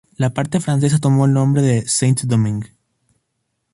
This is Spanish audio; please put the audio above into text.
La parte francesa tomó el nombre de "Saint-Domingue".